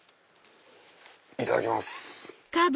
いただきます！